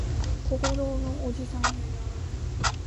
小五郎のおじさん